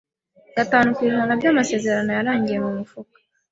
gatanu kwijana byamasezerano yarangiye mumufuka.